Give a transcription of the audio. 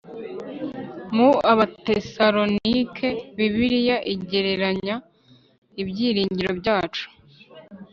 Mu Abatesalonike Bibiliya igereranya ibyiringiro byacu